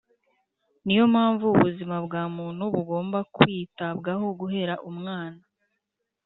ni yo mpamvu ubuzima bwa muntu bugomba kwitabwaho guhera umwana